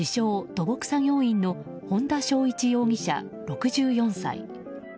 ・土木作業員の本田昭一容疑者、６４歳。